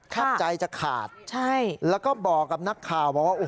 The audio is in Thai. เพราะเบอร์มาร้องไห้คาดใจจะขาด